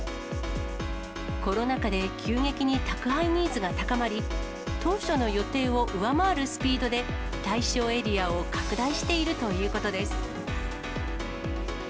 コロナ禍で急激に宅配ニーズが高まり、当初の予定を上回るスピードで、対象エリアを拡大しているということです。